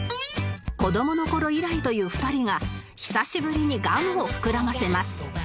子供の頃以来という２人が久しぶりにガムを膨らませます